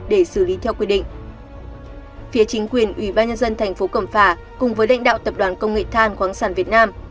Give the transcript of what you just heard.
để xử lý theo quy định phía chính quyền ủy ban nhân dân thành phố cẩm phả cùng với lãnh đạo tập đoàn công nghệ than khoáng sản việt nam